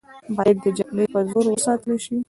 باید د جګړې په زور وساتله شي.